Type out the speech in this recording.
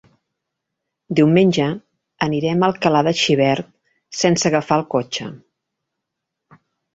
Diumenge anirem a Alcalà de Xivert sense agafar el cotxe.